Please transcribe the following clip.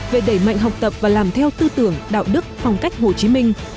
về đẩy mạnh học tập và làm theo tư tưởng đạo đức phong cách hồ chí minh